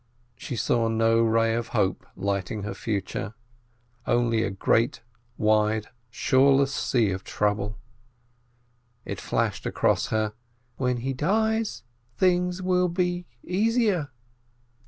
She saw no ray of hope lighting her future, only a great, wide, shoreless sea of trouble. It flashed across her: "When he dies, things will be easier."